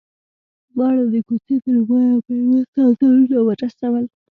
دواړو د کوڅې تر پايه په يوه ساه ځانونه ورسول.